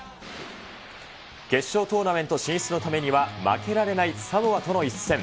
決勝トーナメント進出のためには、負けられないサモアとの一戦。